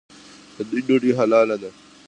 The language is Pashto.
د دوی ډوډۍ حلاله ده.